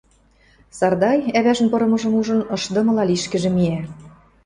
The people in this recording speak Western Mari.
Сардай, ӓвӓжӹн пырымыжым ужын, ышдымыла лишкӹжӹ миӓ